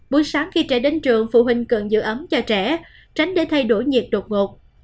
buổi sáng khi trẻ đến trường phụ huynh cần giữ ấm cho trẻ tránh để thay đổi nhiệt đột ngột